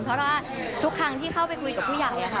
เพราะว่าทุกครั้งที่เข้าไปคุยกับผู้ใหญ่ค่ะ